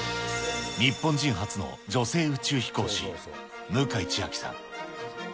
日本人初の女性宇宙飛行士、向井千秋さん。